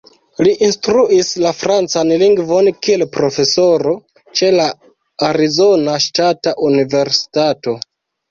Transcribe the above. Li instruis la francan lingvon kiel profesoro ĉe la Arizona Ŝtata Universitato.